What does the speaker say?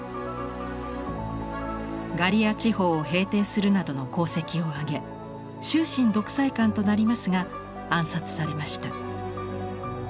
ガリア地方を平定するなどの功績を挙げ終身独裁官となりますが暗殺されました。